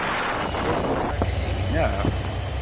Teḥwajem aṭaksi, naɣ?